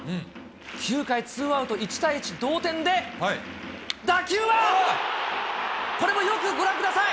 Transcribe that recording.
９回ツーアウト、１対１、同点で打球は、これもよくご覧ください。